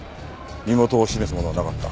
身元を示すものはなかった。